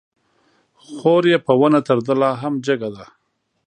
خور يې په ونه تر ده لا هم جګه ده